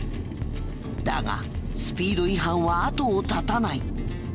だがスピード違反は後を絶たない。